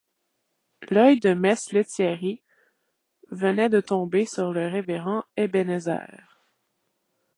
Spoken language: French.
L’œil de mess Lethierry venait de tomber sur le révérend Ebenezer.